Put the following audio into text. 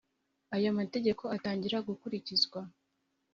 Aya mategeko atangira gukurikizwa